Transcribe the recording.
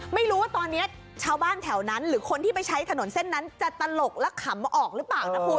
ไม่รู้ว่าตอนนี้ชาวบ้านแถวนั้นหรือคนที่ไปใช้ถนนเส้นนั้นจะตลกและขำออกหรือเปล่านะคุณ